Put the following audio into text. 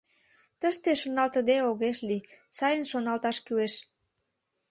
Тыште шоналтыде огеш лий, сайын шоналташ кӱлеш.